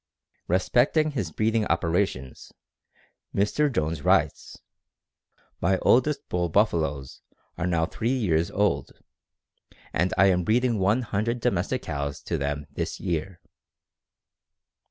Respecting his breeding operations Mr. Jones writes: "My oldest [bull] buffaloes are now three years old, and I am breeding one hundred domestic cows to them this year.